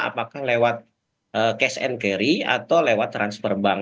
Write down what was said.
apakah lewat cash and carry atau lewat transfer bank